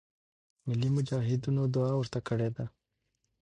ملی مجاهدینو دعا ورته کړې ده.